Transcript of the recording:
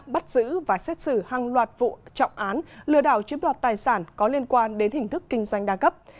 bắt giữ và xét xử hàng loạt vụ trọng án lừa đảo chiếm đoạt tài sản có liên quan đến hình thức kinh doanh đa cấp